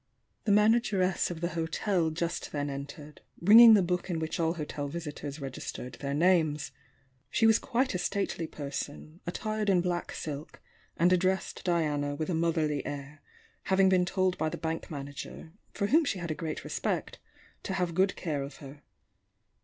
The manageress of the hotel just then entered, bringing the book in which all hotel visitors regis tered their names. She was quite a stately person, attired in black silk, and addressed Diana with a moUierly air, having been told by the bank manager, for whom she had a great respect, to have good care of her.